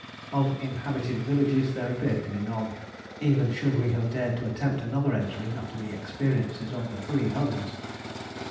Of inhabited villages there appeared to be none, even should we have dared to attempt another entry after the experiences of "the three Huns."